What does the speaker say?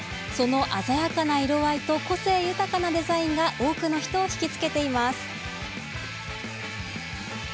その鮮やかな色合いと個性豊かなデザインが多くの人を引きつけています。